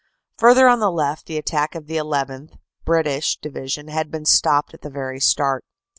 Further on the left the attack of the llth. (British) Division had been stopped at the very start.